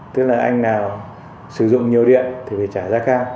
tức là anh nào sử dụng nhiều điện thì phải trả giá cao